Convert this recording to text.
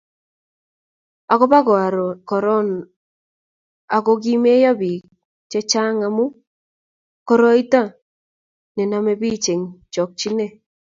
akubo korono ko kimeyo biik che chang' amu koroito ne nomei biich eng' chokchine